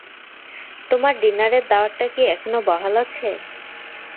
তোমার ডিনারের দাওয়াতটা কি এখনো বহাল আছে?